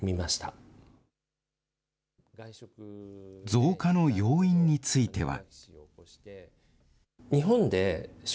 増加の要因については。